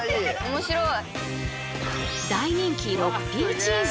大人気６Ｐチーズ。